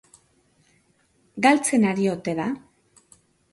Galtzen ari ote da?